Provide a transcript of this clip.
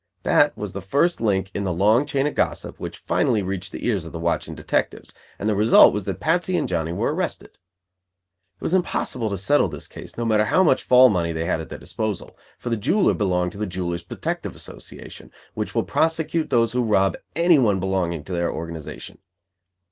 That was the first link in the long chain of gossip which finally reached the ears of the watching detectives; and the result was that Patsy and Johnny were arrested. It was impossible to "settle" this case, no matter how much "fall money" they had at their disposal; for the jeweler belonged to the Jewelers' Protective Association, which will prosecute those who rob anyone belonging to their organization.